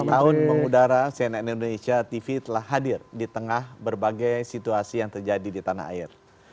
dua puluh tahun mengudara cnn indonesia tv telah hadir di tengah berbagai situasi yang terjadi di tanah air